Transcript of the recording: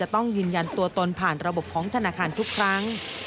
ต้องยืนยันตัวตนผ่านระบบของธนาคารทุกครั้ง